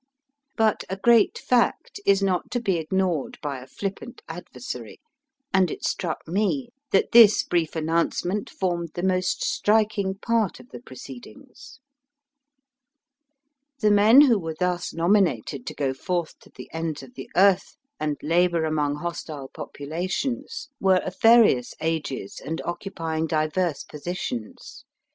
But a great fact is not to be ignored by a flippant adversary, and it struck me that this brief announcement formed the most striking part of the proceed ings. The men who were thus nominated to go forth to the ends of the earth and labour among hostile populations were of various ages and occupying diverse positions.